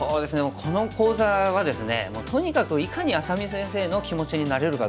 この講座はですねとにかくいかに愛咲美先生の気持ちになれるかどうか。